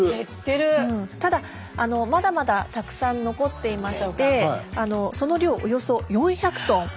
ただまだまだたくさん残っていましてその量およそ４００トン。